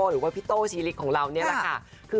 หรือว่าพี่โต้ชีลิกของเรานี่แหละค่ะ